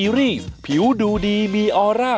ครับเอ้าพักก่อนช่วงหน้าเจ็ดปีไทย